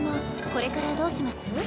これからどうします？